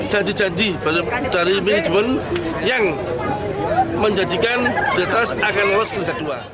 janji janji dari manajemen yang menjanjikan deltras akan lewat liga dua